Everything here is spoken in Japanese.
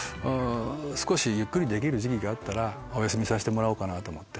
少しゆっくりできる時期あったらお休みさせてもらおうかと思って。